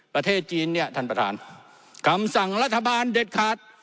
ประเทศจีนเนี่ยท่านประธานคำสั่งรัฐบาลเด็ดขาด